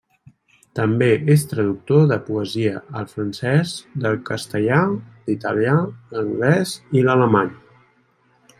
També és traductor de poesia al francès del castellà, l'italià, l'anglès i l'alemany.